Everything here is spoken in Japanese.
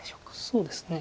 そうですね。